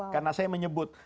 karena saya menyebut